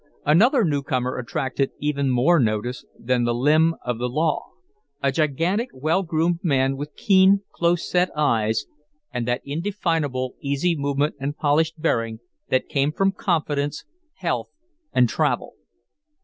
Another new comer attracted even more notice than the limb of the law; a gigantic, well groomed man, with keen, close set eyes, and that indefinable easy movement and polished bearing that come from confidence, health, and travel.